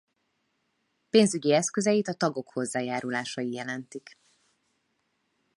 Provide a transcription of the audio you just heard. Pénzügyi eszközeit a tagok hozzájárulásai jelentik.